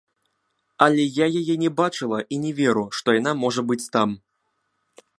Але я яе не бачыла і не веру, што яна можа быць там.